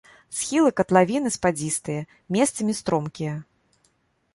Схілы катлавіны спадзістыя, месцамі стромкія.